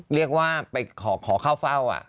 เรียกว่าไปขอเข้าเฝ้า